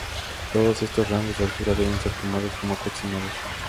Todos estos rangos de Altura deben ser tomados como aproximados.